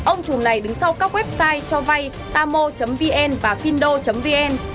ông chùm này đứng sau các website cho vay amo vn và findo vn